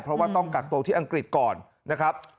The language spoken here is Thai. เพราะว่าต้องกักตัวที่อังกฤษก่อนนะครับ